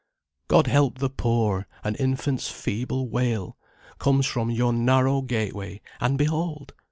God help the poor! An infant's feeble wail Comes from yon narrow gateway, and behold!